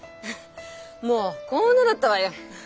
もうこんなだったわよ。